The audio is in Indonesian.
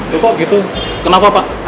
ya pak gitu kenapa pak